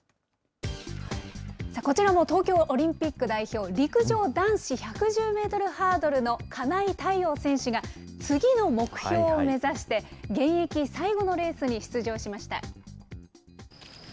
こちらも東京オリンピック代表、陸上男子１１０メートルハードルの金井大旺選手が、次の目標を目指して、現役最後のレースに出場しました。